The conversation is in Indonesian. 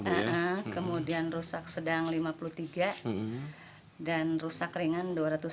kemudian rusak sedang lima puluh tiga dan rusak ringan dua ratus tujuh puluh